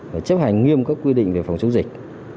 và chấp hành nghiêm các quy định về phòng chống dịch